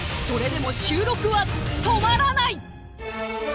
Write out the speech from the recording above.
それでも収録は止まらない！